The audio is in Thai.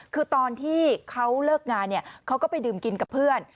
คือตอนที่เขาเลิกงานเขาก็ไปดื่มกินกับเพื่อน